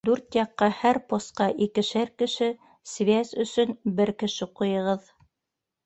Дүрт яҡҡа һәр посҡа икешәр кеше, связь өсөн бер кеше ҡуйығыҙ.